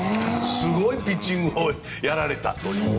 すごいピッチングをやられたという。